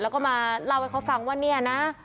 แล้วก็มาเล่าให้เขาฟังว่า